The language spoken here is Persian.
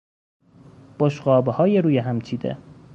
بشقابهای روی هم چیده